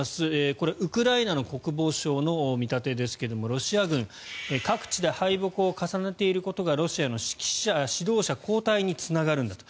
これはウクライナの国防省の見立てですがロシア軍各地で敗北を重ねていることがロシアの指導者交代につながるんだと。